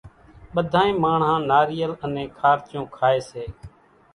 ٻڌانئين ماڻۿان ناريل انين خارچون کائي سي